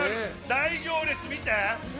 大行列、見て。